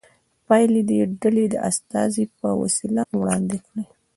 پایلې دې ډلې د استازي په وسیله وړاندې کړي.